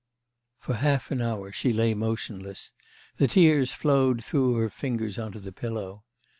For half an hour she lay motionless; the tears flowed through her fingers on to the pillow.